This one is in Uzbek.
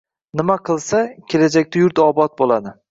Nima qilsa — kelajakda yurt obod bo‘ladi?